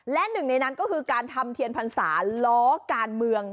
และหนึ่งในนั้นก็คือการทำเทียนพรรษาล้อการเมือง